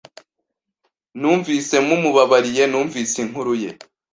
Numvise mumubabariye numvise inkuru ye.